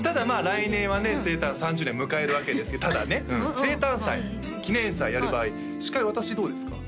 来年はね生誕３０年迎えるわけですけどただね生誕祭記念祭やる場合司会私どうですか？